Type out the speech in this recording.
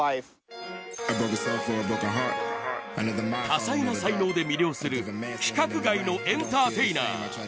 多才な才能で魅了する規格外のエンターテイナー。